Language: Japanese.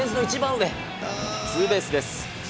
ツーベースです。